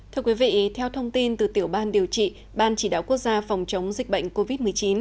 thưa quý vị theo thông tin từ tiểu ban điều trị ban chỉ đạo quốc gia phòng chống dịch bệnh covid một mươi chín